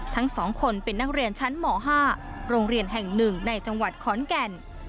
ทั้ง๒คนเป็นนักเรียนชั้นหมอ๕โรงเรียนแห่ง๑ในจังหวัดขอนแก่น